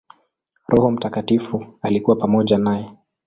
Roho Mtakatifu alikuwa pamoja naye.